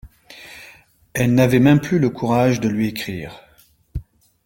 Elle n'avait même plus le courage de lui écrire.